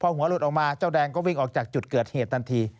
หัวหลุดออกมาเจ้าแดงก็วิ่งออกจากจุดเกิดเหตุทันที